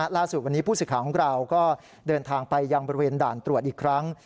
ล่าสุดวันนี้ผู้สื่อข่าวของเราก็เดินทางไปยังบริเวณด่านตรวจอีกครั้ง